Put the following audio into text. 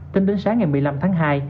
tính đến sáng ngày một mươi năm tháng hai